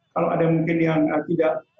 kalau ada mungkin yang tidak